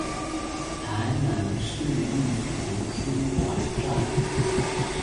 台南市立圖書館站